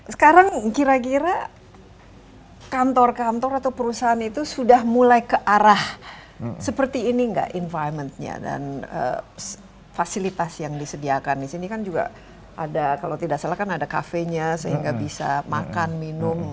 sekarang kira kira kantor kantor atau perusahaan itu sudah mulai ke arah seperti ini nggak environment nya dan fasilitas yang disediakan di sini kan juga ada kalau tidak salah kan ada kafe nya sehingga bisa makan minum